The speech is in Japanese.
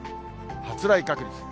発雷確率。